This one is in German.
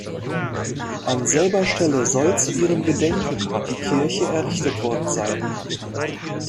An selber Stelle soll zu ihrem Gedenken die Kirche errichtet worden sein.